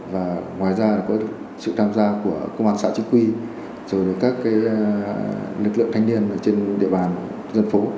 và ngoài ra có sự tham gia của công an xã chính quy rồi các lực lượng thanh niên ở trên địa bàn dân phố